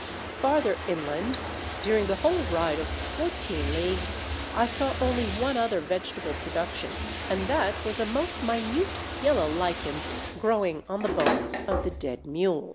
Farther inland, during the whole ride of fourteen leagues, I saw only one other vegetable production, and that was a most minute yellow lichen, growing on the bones of the dead mules."